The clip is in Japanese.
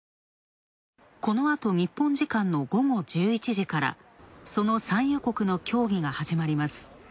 このあと日本時間の午後１１時からその産油国の協議が始まります。